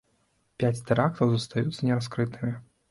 Пяць тэрактаў застаюцца нераскрытымі.